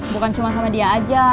bukan cuma sama dia aja